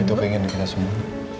itu pengen kita semua